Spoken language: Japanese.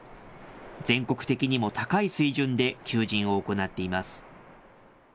全国的にも高い水準で求人を行っています。